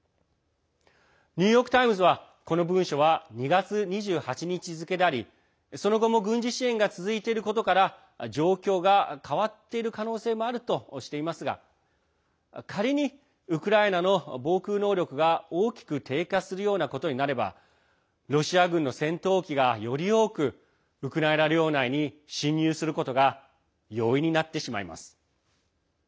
ニューヨーク・タイムズはこの文書は２月２８日付でありその後も軍事支援が続いていることから状況が変わっている可能性もあるとしていますが仮にウクライナの防空能力が大きく低下するようなことになればロシア軍の戦闘機が、より多くウクライナ領内に侵入することが容易になってしまいます。